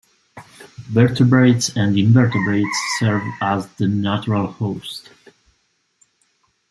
Vertebrates and invertebrates serve as the natural host.